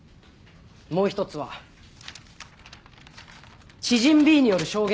もう一つは知人Ｂによる証言です。